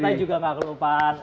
tapi kita juga enggak kelupaan